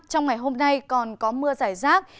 trong ngày hôm nay còn có mưa giải rác